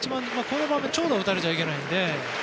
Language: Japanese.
この場面長打を打たれちゃいけないので。